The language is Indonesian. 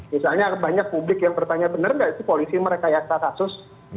misalnya banyak publik yang bertanya bener nggak sih polisi mereka yang setasus